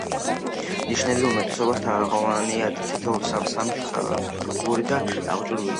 ნიშების უმეტესობა თაღოვანია და თითოეული სამ-სამი სათოფურითაა აღჭურვილი.